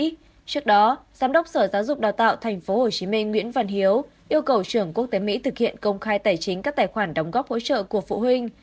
trước đó giám đốc sở giáo dục đào tạo tp hcm nguyễn văn hiếu yêu cầu trường quốc tế mỹ thực hiện công khai tài chính các tài khoản đóng góp hỗ trợ của phụ huynh